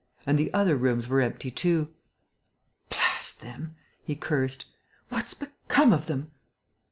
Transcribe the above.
And the other rooms were empty too. "Blast them!" he cursed. "What's become of them?"